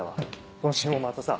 今週もまたさ。